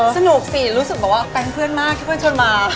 สนุกสิรู้สึกบอกว่าเป็นเพื่อนมากที่เพื่อนชวนมา